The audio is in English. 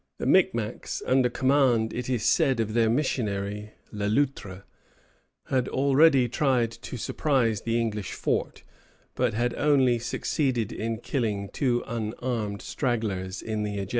The Micmacs, under command, it is said, of their missionary, Le Loutre, had already tried to surprise the English fort, but had only succeeded in killing two unarmed stragglers in the adjacent garden.